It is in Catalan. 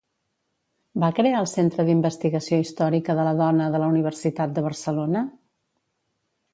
Va crear el Centre d'Investigació Històrica de la Dona de la Universitat de Barcelona?